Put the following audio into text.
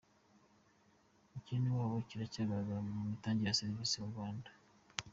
Icyenewabo kiracyagarara mu mitangire ya serivisi mu Rwanda